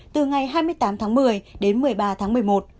từ ngày hai mươi tám tháng một mươi đến một mươi ba tháng một mươi một